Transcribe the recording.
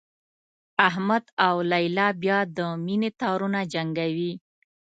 احمد او لیلا بیا د مینې تارونه جنګوي.